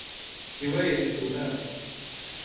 هوايتي اللغات.